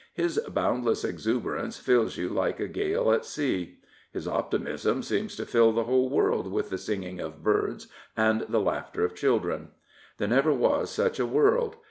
His boundless exuber ance fills you like a gale at sea. His optimism seems to fill the whole world with the singing of birds and the laughter of children. There never was such a world.